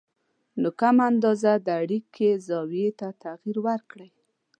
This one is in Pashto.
نو کمه اندازه د اړیکې زاویې ته تغیر ورکړئ